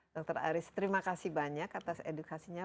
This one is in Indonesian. dr aris terima kasih banyak atas edukasinya